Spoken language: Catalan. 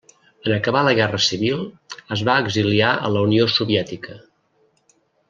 En acabar la guerra civil es va exiliar a la Unió Soviètica.